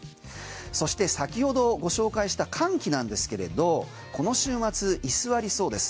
そして、先ほどご紹介した寒気なんですけれどこの週末、居座りそうです。